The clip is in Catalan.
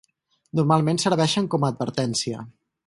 Normalment serveixen com a advertència.